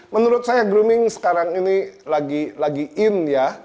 menurut saya grooming sekarang ini lagi in ya